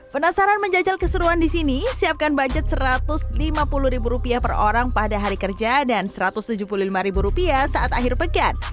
penasaran menjajal keseruan di sini siapkan budget rp satu ratus lima puluh per orang pada hari kerja dan rp satu ratus tujuh puluh lima saat akhir pekan